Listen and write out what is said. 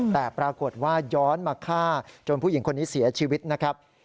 แต่ปรากฏว่าย้อนมาฆ่าจนผู้หญิงคนนี้เสียชีวิตนะครับ